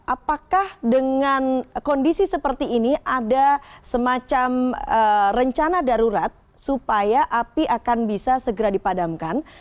apakah dengan kondisi seperti ini ada semacam rencana darurat supaya api akan bisa segera dipadamkan